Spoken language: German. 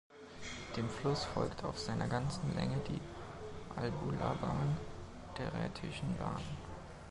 Dem Fluss folgt auf seiner ganzen Länge die Albulabahn der Rhätischen Bahn.